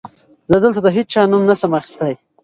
زه دلته د هېچا نوم نه شم اخيستی.